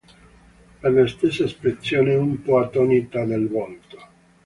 Per la stessa espressione un po' attonita del volto.